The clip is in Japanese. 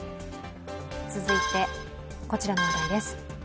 続いてこちらの話題です。